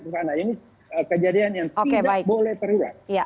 ini kejadian yang tidak boleh terlalu banyak